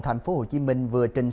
thành phố hồ chí minh vừa trình